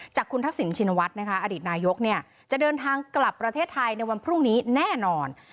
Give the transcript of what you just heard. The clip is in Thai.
จากคุณทักษิณชินวัฒน์นะคะอดีตนายกจะเดินทางกลับประเทศไทยในวันพรุ่งนี้แน่นอน